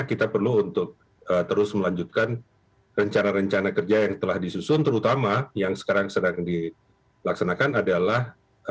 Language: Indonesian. kita perlu untuk terus melanjutkan rencana rencana kerja yang telah disusun terutama yang sekarang sedang dilaksanakan adalah